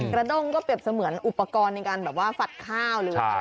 กระด้งก็เปรียบเสมือนอุปกรณ์ในการแบบว่าฝัดข้าวเลย